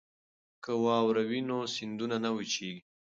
که واوره وي نو سیندونه نه وچیږي.